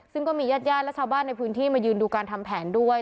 ซึ่งก็มีญาติญาติและชาวบ้านในพื้นที่มายืนดูการทำแผนด้วย